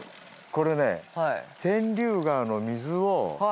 これね。